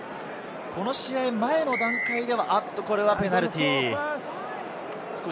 この試合前の段階ではペナルティーです。